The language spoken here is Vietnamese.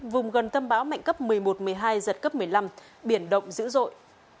vùng gần tâm bão mạnh cấp một mươi một một mươi hai giật cấp một mươi năm biển động dữ dội